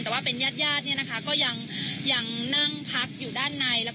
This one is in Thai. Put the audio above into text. แต่ว่าเป็นญาติญาติเนี่ยนะคะก็ยังนั่งพักอยู่ด้านใน